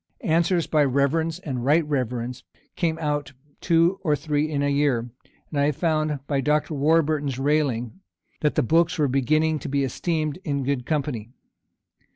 Answers by reverends and right reverends came out two or three in a year; and I found, by Dr. Warburton's railing, that the books were beginning to be esteemed in good company.